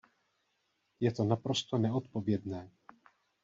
Je to naprosto neodpovědné.